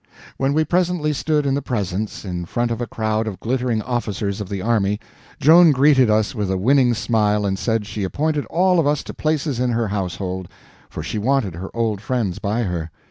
When we presently stood in the presence, in front of a crowd of glittering officers of the army, Joan greeted us with a winning smile, and said she appointed all of us to places in her household, for she wanted her old friends by her.